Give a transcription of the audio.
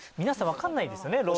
皆さんわかんないですよね